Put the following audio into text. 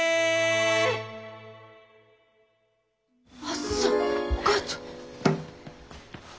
はっさお母ちゃん。